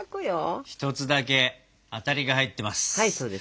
で一つだけ当たりが入ってます。